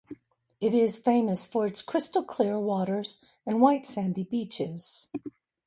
It is famous for its crystal clear waters and white sandy beaches.